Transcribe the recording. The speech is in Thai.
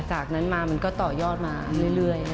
จากนั้นมามันก็ต่อยอดมาเรื่อย